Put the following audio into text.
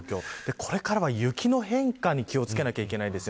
これからは雪の変化に気を付けなければいけないんです。